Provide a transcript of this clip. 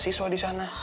siswa di sana